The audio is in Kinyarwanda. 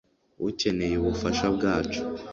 ukeneye ubufasha bwacu